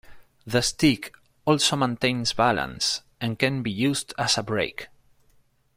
The stick also maintains balance and can be used as a brake.